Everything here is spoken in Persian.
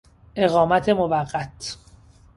اقامت موقت